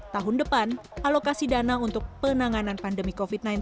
tahun depan alokasi dana untuk penanganan pandemi covid sembilan belas